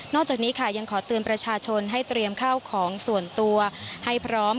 จากนี้ค่ะยังขอเตือนประชาชนให้เตรียมข้าวของส่วนตัวให้พร้อม